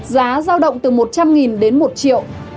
giá giao động từ một trăm linh đến một triệu